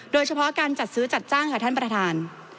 โดยเฉพาะการจัดซื้อจัดจ้างค่ะท่านประธาน